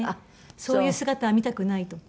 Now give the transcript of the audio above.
そういう姿は見たくないとか。